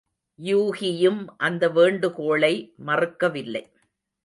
யூகியும் அந்த வேண்டுகோளை மறுக்கவில்லை.